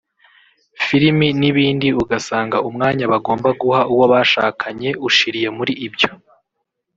filimi n’ibindi ugasanga umwanya bagomba guha uwo bashakanye ushiriye muri ibyo